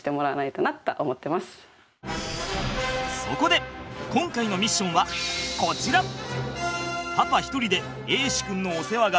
そこで今回のミッションはこちら！